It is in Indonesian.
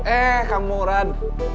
eh kamu uran